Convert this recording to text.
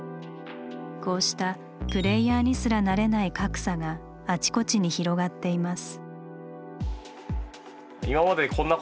こうしたプレイヤーにすらなれない格差があちこちに広がっています。